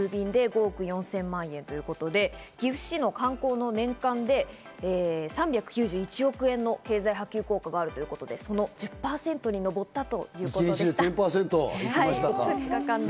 運輸・郵便で５億４０００万円ということで、岐阜市の観光の年間で３９１億円の経済波及効果があるということで、その１０％に上ったということです。